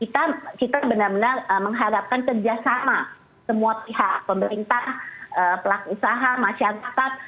kita benar benar mengharapkan kerjasama semua pihak pemerintah pelaku usaha masyarakat